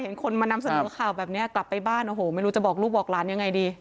คนมานำเสนอข่าวแบบนี้กลับไปบ้านโอ้โหไม่รู้จะบอกลูกบอกหลานยังไงดี